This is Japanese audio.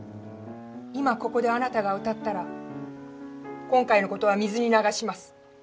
今ここであなたが歌ったら今回のことは水に流します。